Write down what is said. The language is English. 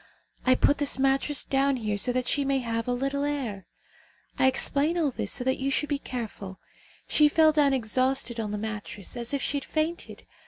I put this mattress down here so that she may have a little air. I explain all this so that you should be careful. She fell down exhausted on the mattress as if she had fainted.